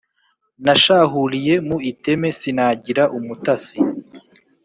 Nashahuliye mu iteme, sinagira umutasi,